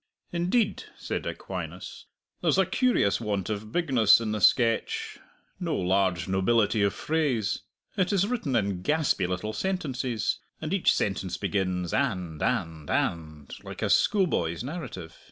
"Indeed," said Aquinas, "there's a curious want of bigness in the sketch no large nobility of phrase. It is written in gaspy little sentences, and each sentence begins 'and' 'and' 'and,' like a schoolboy's narrative.